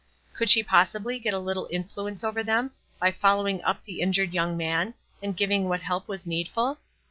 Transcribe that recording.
Could she possibly get a little influence over them by following up the injured young man, and giving what help was needful?